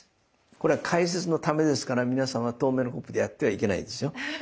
これは解説のためですから皆さんは透明のコップでやってはいけないんですよ。